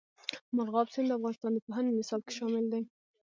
مورغاب سیند د افغانستان د پوهنې نصاب کې شامل دی.